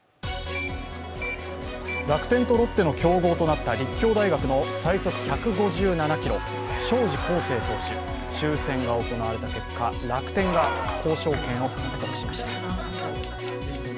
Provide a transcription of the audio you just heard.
楽天とロッテの競合となった立教大学の最速１５７キロ、荘司康誠投手抽選が行われた結果楽天が交渉権を獲得しました。